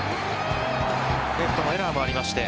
レフトのエラーもありまして